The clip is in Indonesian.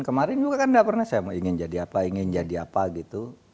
kemarin juga kan tidak pernah saya ingin jadi apa ingin jadi apa gitu